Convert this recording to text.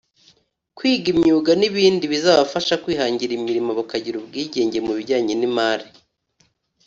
kwiga imyuga n’ibindi bizabafasha kwihangira imirimo bakagira ubwigenge mu bijyanye n’imari